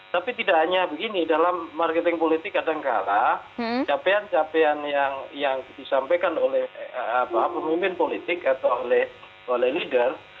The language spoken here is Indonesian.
tapi tidak hanya begini dalam marketing politik kadangkala capaian capaian yang disampaikan oleh pemimpin politik atau oleh leader